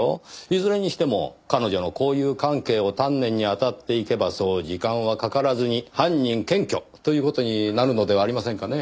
いずれにしても彼女の交友関係を丹念に当たっていけばそう時間はかからずに犯人検挙という事になるのではありませんかねぇ？